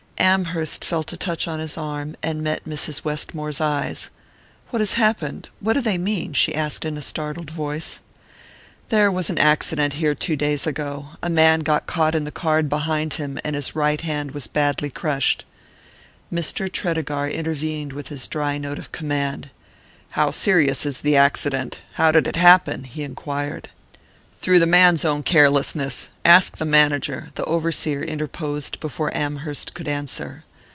Amherst felt a touch on his arm, and met Mrs. Westmore's eyes. "What has happened? What do they mean?" she asked in a startled voice. "There was an accident here two days ago: a man got caught in the card behind him, and his right hand was badly crushed." Mr. Tredegar intervened with his dry note of command. "How serious is the accident? How did it happen?" he enquired. "Through the man's own carelessness ask the manager," the overseer interposed before Amherst could answer.